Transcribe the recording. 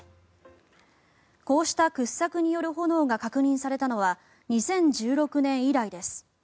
こうした掘削による炎が確認されたのは２０１６年以来です。